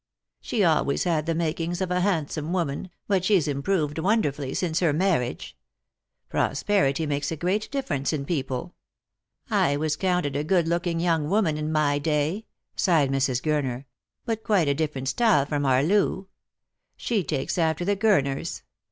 " She always had the makings of a handsome woman, but she's improved wonderfully since her marriage. Prosperity makes a great difference in people. I was counted a good ooking young woman in my day," sighed Mrs. Gurner, " but quite a different style from our Loo. She takes after the Gur ners.